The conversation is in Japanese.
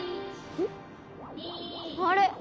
うん？あれ？